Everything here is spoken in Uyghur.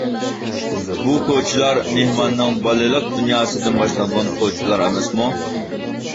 بۇ كوچىلار مېھماننىڭ بالىلىق دۇنياسىدىن باشلانغان كوچىلار ئەمەسمۇ!